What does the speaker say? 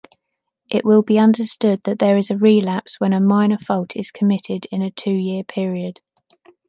It will be understood that there is relapse when a minor fault is committed in a two-year period.